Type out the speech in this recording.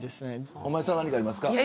駒井さん、何かありますか。